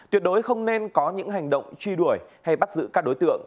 tuyệt đối không nên có những hành động truy đuổi hay bắt giữ các đối tượng